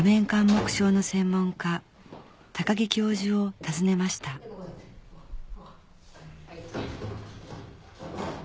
緘黙症の専門家高木教授を訪ねましたはい。